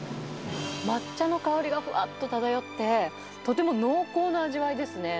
抹茶の香りがふわっと漂って、とても濃厚な味わいですね。